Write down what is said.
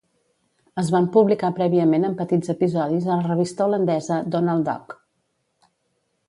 Es van publicar prèviament en petits episodis a la revista holandesa "Donald Duck".